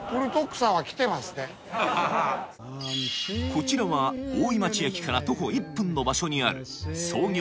こちらは大井町駅から徒歩１分の場所にある創業